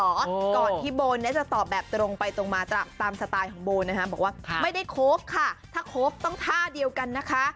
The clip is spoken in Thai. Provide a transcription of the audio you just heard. ก่อนที่โบเนี่ยจะตอบแบบตรงไปตรงมาตามสไตล์ของโบนะคะบอกว่าไม่ได้คบค่ะถ้าคบต้องท่าเดียวกันนะคะ